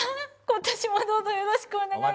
今年もどうぞよろしくお願い致します。